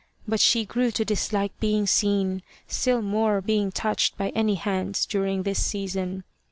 But she grew to dislike being seen, still more being touched by any hands, during this season.